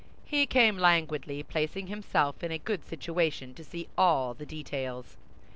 He came languidly, placing himself in a good situation to see all the details.